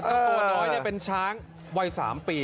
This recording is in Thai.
เจ้ามันเป็นช้างวัย๓ปี